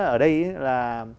ở đây là